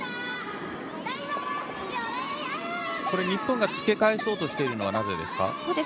日本がつけかえそうとしているのはなぜですか？